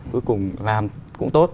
cuối cùng làm cũng tốt